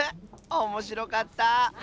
おもしろかった！